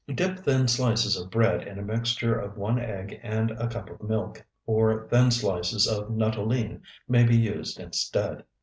2. Dip thin slices of bread in a mixture of one egg and a cup of milk, or thin slices of nuttolene may be used instead.